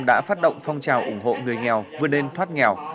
đã phát động phong trào ủng hộ người nghèo vươn lên thoát nghèo